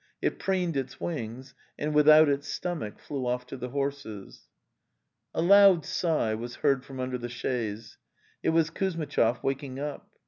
It preened its wings, and without its stomach flew off to the horses. A loud sigh was heard from under the chaise. It was Kuzmitchov waking up.